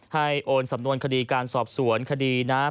ให้โอนสำนวนคดีการสอบสวนคดีน้า